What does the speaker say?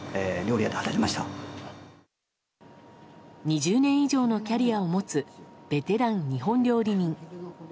２０年以上のキャリアを持つベテラン日本料理人。